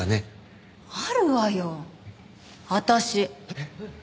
えっ？